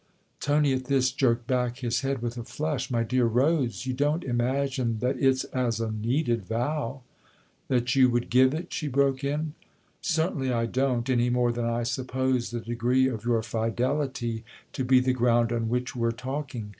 Tony, at this, jerked back his head with a flush. " My dear Rose, you don't imagine that it's as a needed vow "" That you would give it ?" she broke in. " Cer THE OTHER HOUSE tainly I don't, any more than I suppose the degree of your fidelity to be the ground on which we're talking.